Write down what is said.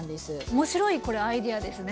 面白いこれアイデアですね。